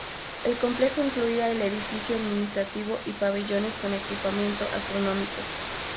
El complejo incluía el edificio administrativo y pabellones con equipamiento astronómico.